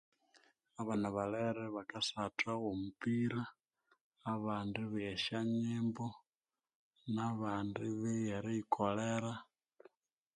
Abana balere bakasatha omupira abandi ibigha eshonyimbo nabandi ibigha eriyikolera